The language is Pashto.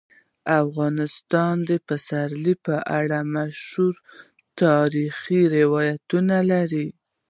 افغانستان د پسرلی په اړه مشهور تاریخی روایتونه لري.